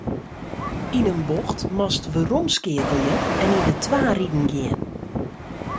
Yn in bocht moatst weromskeakelje en yn de twa riden gean.